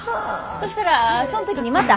そしたらそん時にまた。